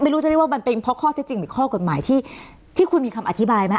ไม่รู้จะเรียกว่ามันเป็นเพราะข้อเท็จจริงหรือข้อกฎหมายที่คุณมีคำอธิบายไหม